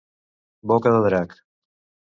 Boca de drac.